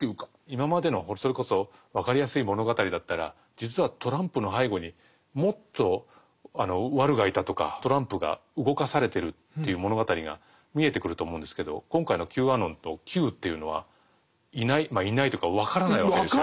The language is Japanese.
今までのそれこそわかりやすい物語だったら実はトランプの背後にもっとワルがいたとかトランプが動かされてるという物語が見えてくると思うんですけど今回のＱアノンとＱというのはいないいないというかわからないわけですよね。